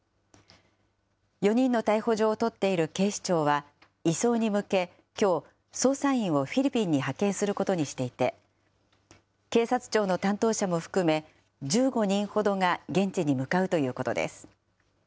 ４人の逮捕状を取っている警視庁は、移送に向け、きょう、捜査員をフィリピンに派遣することにしていて、警察庁の担当者も含め、１５人ほどが現地に向かうということです。